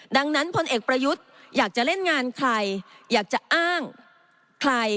ดังนั้นพลเอกประยุทธ์อยากจะเล่นงานใครอยากจะอ้างใคร